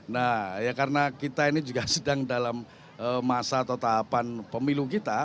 nah ya karena kita ini juga sedang dalam masa atau tahapan pemilu kita